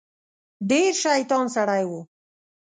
ډیر شیطان سړی و.